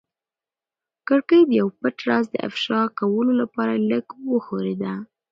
کړکۍ د یو پټ راز د افشا کولو لپاره لږه وښورېده.